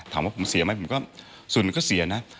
ถามว่าผมเสียไหมผมก็ส่วนหนึ่งก็เสียนะ